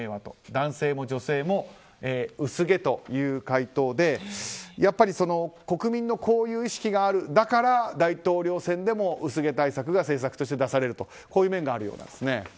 男性も女性も薄毛という回答で国民のこういう意識があるだから大統領選でも薄毛対策が政策として出されるというこういう面があるようなんですね。